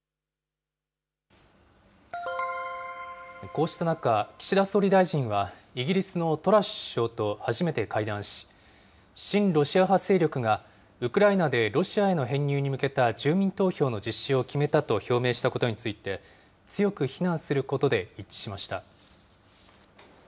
こうした中、岸田総理大臣はイギリスのトラス首相と初めて会談し、親ロシア派勢力がウクライナでロシアへの編入に向けた住民投票の実施を決めたと表明したことについて強く非難することで一致しました。